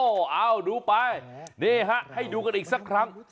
เอาดูไปนี่ฮะให้ดูกันอีกสักครั้ง